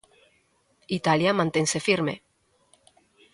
Italia mantense firme.